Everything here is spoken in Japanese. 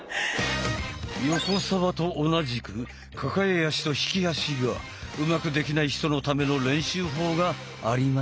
横澤と同じく抱え足と引き足がうまくできない人のための練習法がありますよ。